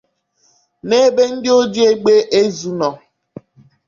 N'ebe ndị oji egbe ezu nọ